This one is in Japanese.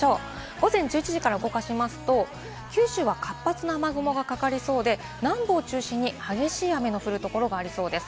午前１１時から動かしますと、九州は活発な雨雲がかかりそうで南部を中心に激しい雨の降るところがありそうです。